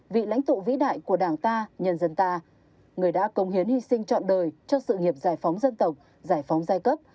vị lãnh tụ vĩ đại của đảng ta nhân dân ta người đã công hiến hy sinh trọn đời cho sự nghiệp giải phóng dân tộc giải phóng giai cấp